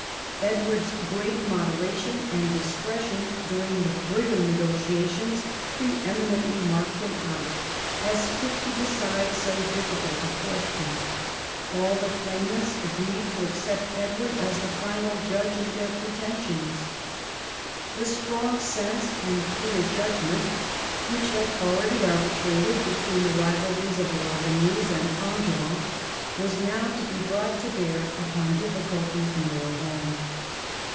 Edward's great moderation and discretion during the Brigham negotiations pre eminently marked him out as fit to decide so difficult a question. All the claimants agreed to accept Edward as the final judge of their pretensions. The strong sense and clear judgment, which had already arbitrated l)etween the rivalries of Aragonese and Angevins, was now to be brought to bear upon difficulties nearer home.